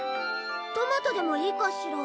トマトでもいいかしら？